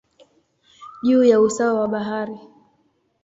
juu ya usawa wa bahari.